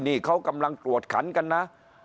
นี่เขากำลังกวดขันกันนะ